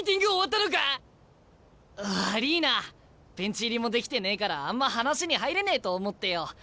悪いなベンチ入りもできてねえからあんま話に入れねえと思ってよ。